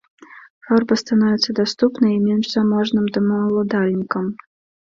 Фарба становіцца даступнай і менш заможным домаўладальнікам.